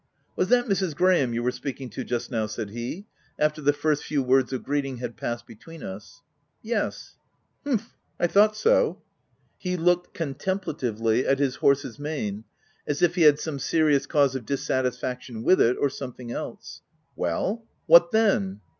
" Was that Mrs. Graham you were speaking to just now ?" said he, after the first few words of greeting had passed between us. ? Yes/' " Humph ! I thought so." He looked con templatively at his horse's mane, as if he had some serious cause of dissatisfaction with it, or something else. " Well ! what then